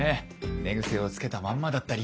寝癖をつけたまんまだったり。